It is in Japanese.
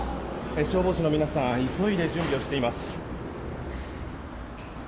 消防士の皆さん急いで準備をしています。